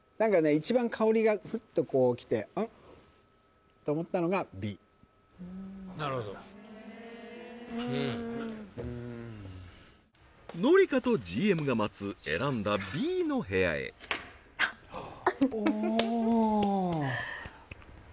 一番香りがフッとこうきてうん？と思ったのがＢうんうん紀香とＧＭが待つ選んだＢの部屋へあっおおー